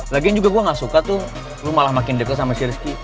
lagian juga gue gak suka tuh lu malah makin deket sama si rizky